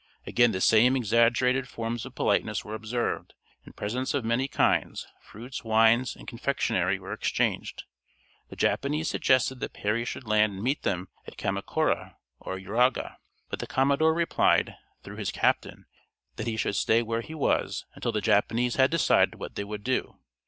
Again the same exaggerated forms of politeness were observed, and presents of many kinds, fruits, wines, and confectionery, were exchanged. The Japanese suggested that Perry should land and meet them at Kamakura or Uraga, but the commodore replied, through his captain, that he should stay where he was until the Japanese had decided what they would do.